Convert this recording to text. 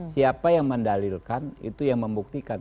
siapa yang mendalilkan itu yang membuktikan